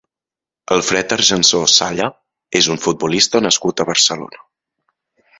Alfred Argensó Salla és un futbolista nascut a Barcelona.